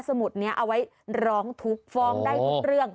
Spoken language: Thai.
สมุดนี้เอาไว้ร้องทุกข์ฟ้องได้ทุกเรื่อง